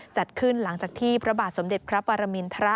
จัดขึ้นหลังจากที่พระบาทสมเด็จพระปรมินทร